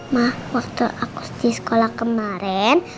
mah waktu aku di sekolah kemarin